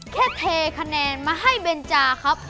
เทคะแนนมาให้เบนจาครับ